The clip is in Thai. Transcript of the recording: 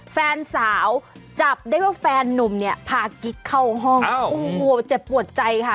แฟนสาวจับได้ว่าแฟนนุ่มเนี่ยพากิ๊กเข้าห้องโอ้โหเจ็บปวดใจค่ะ